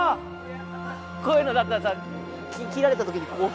こういうのだったらさ斬られたときにこう。